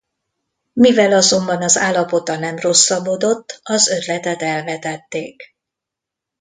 Mivel azonban az állapota nem rosszabbodott, az ötletet elvetették.